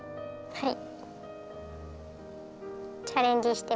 はい。